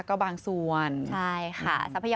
ก็บางส่วนใช่ค่ะทรัพยากร